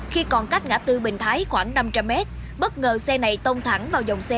khi còn cách ngã tư bình thái khoảng năm trăm linh mét bất ngờ xe này tông thẳng vào dòng xe